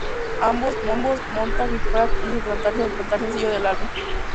Ambos, Montag y Pratt, negaron que se tratase del primer sencillo del álbum.